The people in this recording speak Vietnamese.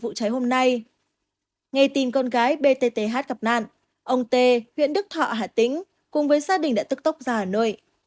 trong vụ cháy hôm nay ngay tìm con gái btth gặp nạn ông t huyện đức thọ hà tĩnh cùng với gia đình đã tức tốc ra hà nội